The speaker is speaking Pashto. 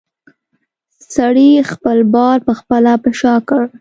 سړي خپل بار پخپله په شا کړ.